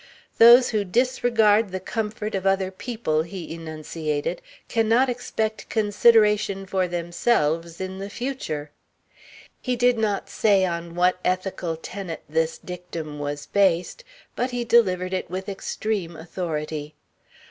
"Those who disregard the comfort of other people," he enunciated, "can not expect consideration for themselves in the future." He did not say on what ethical tenet this dictum was based, but he delivered it with extreme authority.